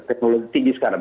teknologi tinggi sekarang